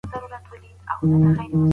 ايا سوله مهمه ده؟